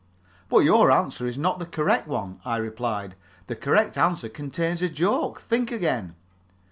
"But your answer is not the correct one," I replied. "The correct answer contains a joke. Think again."